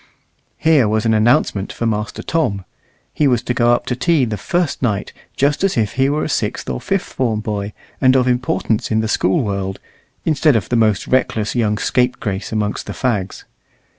Here was an announcement for Master Tom! He was to go up to tea the first night, just as if he were a sixth or fifth form boy, and of importance in the School world, instead of the most reckless young scapegrace amongst the fags.